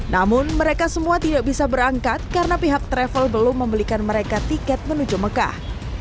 namun mereka semua tidak bisa berangkat karena pihak travel belum membelikan mereka tiket menuju mekah